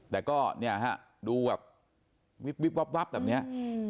แต่ก็เนี่ยฮะดูแบบวิบวับแบบนี้